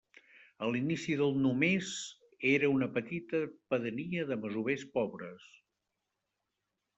A l'inici del només era una petita pedania de masovers pobres.